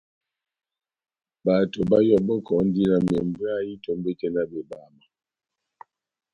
Bato bayɔbɔkɔndi na membwayï tombete na bebama.